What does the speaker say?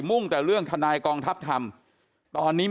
เพราะทนายอันนันชายชายเดชาบอกว่าจะเป็นการเอาคืนยังไง